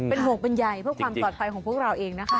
เป็นห่วงเป็นใยเพื่อความปลอดภัยของพวกเราเองนะคะ